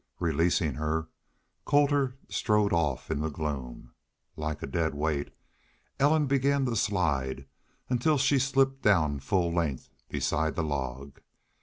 Releasing her, Colter strode off in the gloom. Like a dead weight, Ellen began to slide until she slipped down full length beside the log.